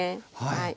はい。